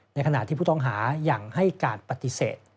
ในขณะที่ผู้ต้องหายังให้การปฏิเสธ